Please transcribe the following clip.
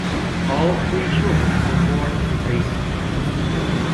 All three children were born in Basel.